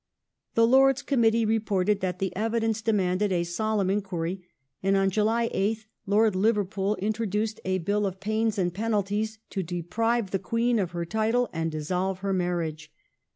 The Lords' Committee reported that the evidence demanded a solemn inquiry, and on July 8th Lord Liverpool introduced a Bill of Pains and Penalties to deprive the Queen of her title and dissolve her marriage.